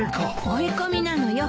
追い込みなのよ。